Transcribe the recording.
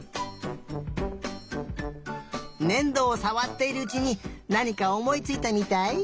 ねんどをさわっているうちになにかおもいついたみたい？